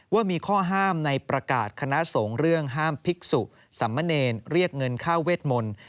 ว่ามีข้อห้ามในประกาศคณะสงฆ์เรื่องห้ามภิกษุสมเนรเรียกเงินค่าเวทมนต์